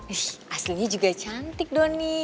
ih aslinya juga cantik donny